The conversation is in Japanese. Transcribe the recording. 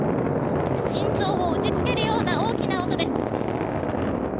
心臓を打ちつけるような大きな音です。